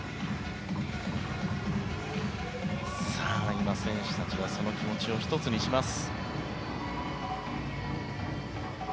今、選手たちがその気持ちを１つにします。